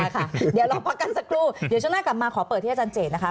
เดี๋ยวเราพักกันสักครู่เดี๋ยวช่วงหน้ากลับมาขอเปิดที่อาจารย์เจตนะคะ